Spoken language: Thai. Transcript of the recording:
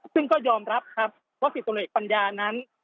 ซึ่งก็ยอมรับครับว่า๑๐ตำรวจเอกปัญญานั้น